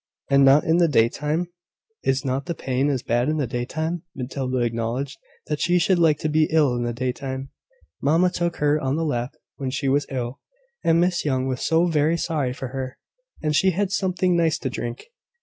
And not in the daytime? Is not pain as bad in the daytime? Matilda acknowledged that she should like to be ill in the daytime. Mamma took her on her lap when she was ill; and Miss Young was so very sorry for her; and she had something nice to drink.